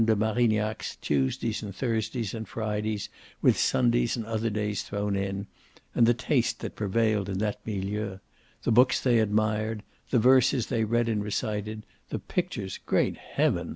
de Marignac's Tuesdays and Thursdays and Fridays, with Sundays and other days thrown in, and the taste that prevailed in that milieu: the books they admired, the verses they read and recited, the pictures, great heaven!